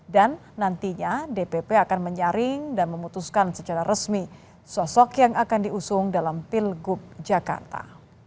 dan nantinya dpp akan menyaring dan memutuskan secara resmi sosok yang akan diusung dalam pilgub jakarta